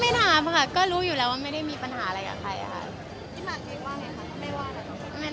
มีคนเป็นขวัญของเราเยอะมากอาจรู้ให้เรียนแหม